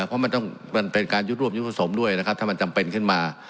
เพราะมันเป็นการยุทธรรมด้วยนะครับถ้าจำเป็นขึ้นมา